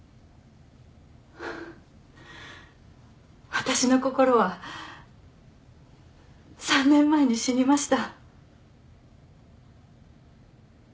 私の心は３年前に死にました。